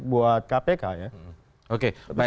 buat kpk ya